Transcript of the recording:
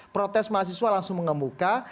protes mahasiswa langsung ngebuka